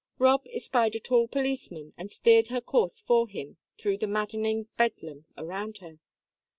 Rob espied a tall policeman and steered her course for him through the maddening bedlam around her.